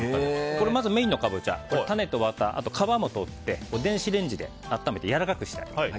まず、メインのカボチャは種とワタ、あとは皮も取って電子レンジで温めてやわらかくしてあります。